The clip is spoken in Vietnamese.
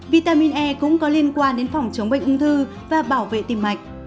vitamin e cũng có liên quan đến phòng chống bệnh ung thư và bảo vệ tim mạch